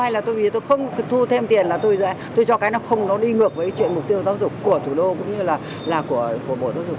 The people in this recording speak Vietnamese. hay là tôi vì tôi không thực thu thêm tiền là tôi cho cái nó không nó đi ngược với chuyện mục tiêu giáo dục của thủ đô cũng như là của bộ giáo dục